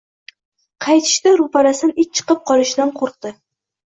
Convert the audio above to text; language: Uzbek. Qaytishida roʻparasidan it chiqib qolishidan qoʻrqdi.